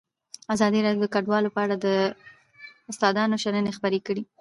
ازادي راډیو د کډوال په اړه د استادانو شننې خپرې کړي.